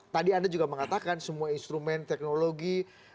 tadi anda juga mengatakan semua instrumen teknologi